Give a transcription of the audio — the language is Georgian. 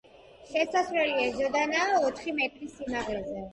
შესასვლელი ეზოდანაა ოთხი მეტრის სიმაღლეზე.